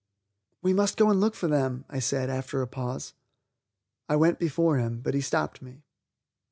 "We must go and look for them," I said after a pause. I went before him, but he stopped me.